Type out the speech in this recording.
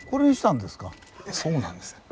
そうなんです。